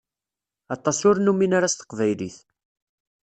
Aṭas ur numin ara s teqbaylit.